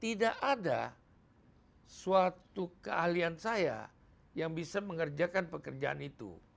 tidak ada suatu keahlian saya yang bisa mengerjakan pekerjaan itu